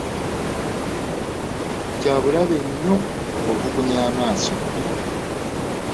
Kyabulabe nnyo okukunya amaaso.